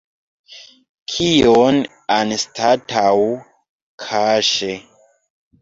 Kion anstataŭ kaŝe?